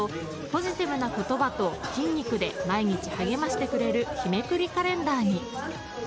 ポジティブな言葉と筋肉で毎日励ましてくれる日めくりカレンダーに。